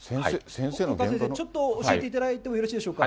ちょっと教えていただいてもよろしいでしょうか？